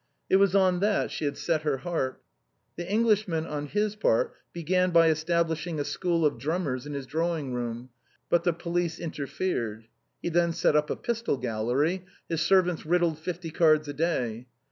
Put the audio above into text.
It was on that she had set her heart. The Englishman, on his part, began by es tablishing a school of drummers in his drawing room, but the police interfered. He then set up a pistol gallery ; his servants riddled fifty cards a day.